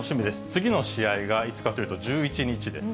次の試合がいつかというと１１日です。